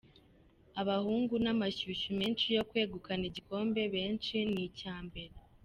Abahungu n’amashyushyu menshi yo kwegukana igikombe, benshi ni icya mbere.